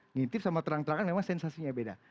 ngintip sama terang terangan memang sensasinya beda